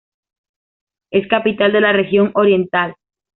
Es capital de la región Oriental..